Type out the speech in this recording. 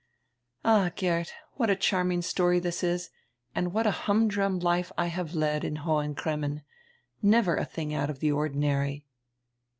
"All, Geert, what a charming story this is and what a humdrum life I have led in Hohen Cremmen! Never a diing out of the ordinary."